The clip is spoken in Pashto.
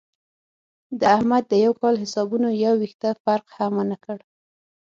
د احمد د یوه کال حسابونو یو وېښته فرق هم ونه کړ.